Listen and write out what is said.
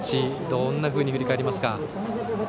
どんなふうに振り返りますか？